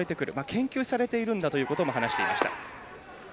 研究されているんだということも話していました。